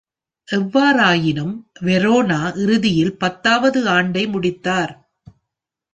எவ்வாறாயினும், வெரோனா இறுதியில் பத்தாவது ஆண்டை முடித்தார்.